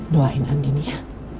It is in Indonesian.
doain andin ya